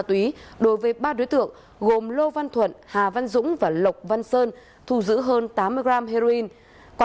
túy đối với ba đối tượng gồm lô văn thuận hà văn dũng và lộc văn sơn thu giữ hơn tám mươi g heroin quá